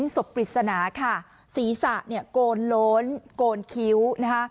ศพปริศนาค่ะศีรษะเนี่ยโกนโล้นโกนคิ้วนะคะ